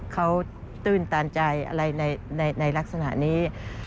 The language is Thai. เขาตื้นตันใจอะไรในลักษณะนี้